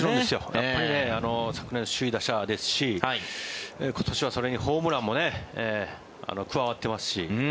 やっぱりね昨年、首位打者ですし今年はそれにホームランも加わってますし。